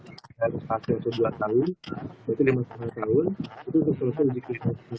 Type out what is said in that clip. itu tentu saja uji klinis masing masing